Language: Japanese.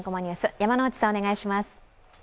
山内さん、お願いします。